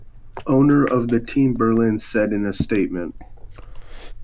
Owner of the team Berlin said in a statement.